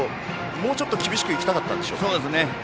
もうちょっと厳しくいきたかったでしょうか。